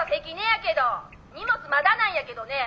荷物まだなんやけどね。